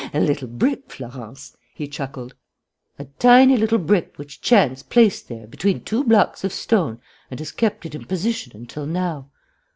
"A little brick, Florence," he chuckled, "a tiny little brick which chance placed there, between two blocks of stone, and has kept in position until now.